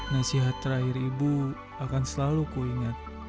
nasihat terakhir ibu akan selalu kuingat